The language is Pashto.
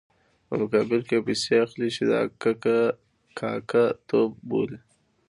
په مقابل کې یې پیسې اخلي چې دا کاکه توب بولي.